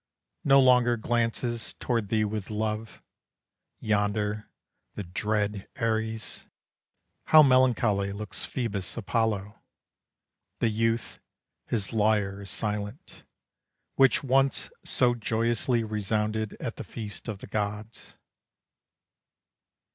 No longer glances toward thee with love, Yonder the dread Ares! How melancholy looks Phoebus Apollo The youth. His lyre is silent, Which once so joyously resounded at the feast of the gods.